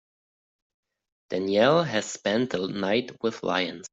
Danielle has spent the night with lions.